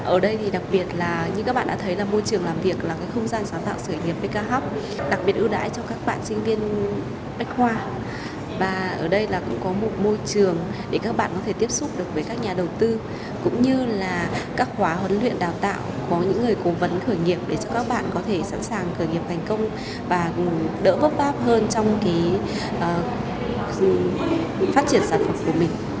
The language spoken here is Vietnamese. ở đây thì đặc biệt là như các bạn đã thấy là môi trường làm việc là cái không gian sáng tạo sở hữu nghiệp bk hub đặc biệt ưu đãi cho các bạn sinh viên bách khoa và ở đây là cũng có một môi trường để các bạn có thể tiếp xúc được với các nhà đầu tư cũng như là các khóa huấn luyện đào tạo có những người cố vấn khởi nghiệp để cho các bạn có thể sẵn sàng khởi nghiệp thành công và đỡ vấp váp hơn trong cái phát triển sản phẩm của mình